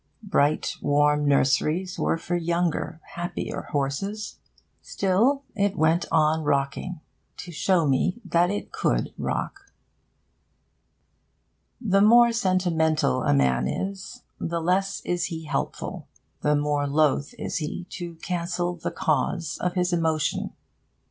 Bright warm nurseries were for younger, happier horses. Still it went on rocking, to show me that it could rock. The more sentimental a man is, the less is he helpful; the more loth is he to cancel the cause of his emotion.